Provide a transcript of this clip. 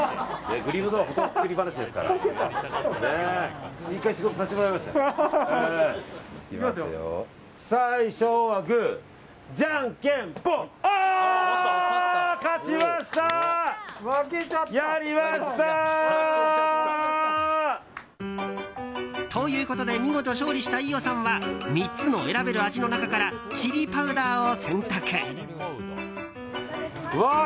やりました！ということで見事勝利した飯尾さんは３つの選べる味の中からチリパウダーを選択。